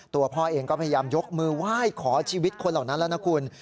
ตัวพ่อเองก็พยายามยกมือไหว้ขอชีวิตคนเหล่านั้นแล้วนะคุณ